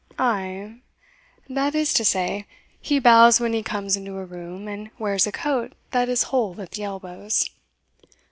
"Ay, that is to say, he bows when he comes into a room, and wears a coat that is whole at the elbows."